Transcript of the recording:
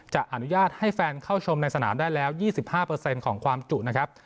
จะอนุญาตให้แฟนเข้าชมในสนามได้แล้วยี่สิบห้าเปอร์เซ็นต์ของความจุนะครับ